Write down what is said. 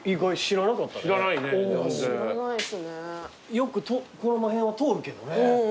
よくここら辺は通るけどね。